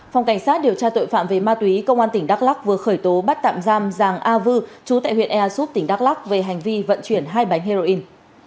phòng cảnh sát điều tra tội phạm về ma túy công an tỉnh đắk lắc vừa khởi tố bắt tạm giam giàng a vư chú tại huyện ea súp tỉnh đắk lắc về hành vi vận chuyển hai bánh heroin